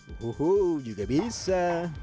uhuhu juga bisa